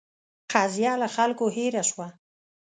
قضیه له خلکو هېره شوه.